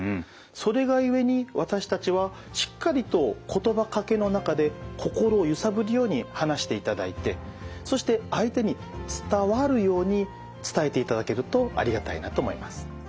それが故に私たちはしっかりと言葉かけの中で心をゆさぶるように話していただいてそして相手に伝わるように伝えていただけるとありがたいなと思います。